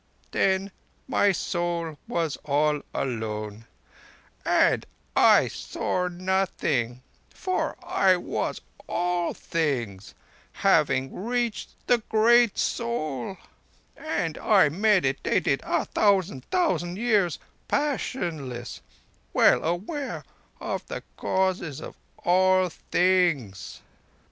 Then my Soul was all alone, and I saw nothing, for I was all things, having reached the Great Soul. And I meditated a thousand thousand years, passionless, well aware of the Causes of all Things.